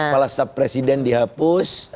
kepala staff presiden dihapus